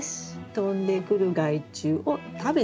飛んでくる害虫を食べてくれるので。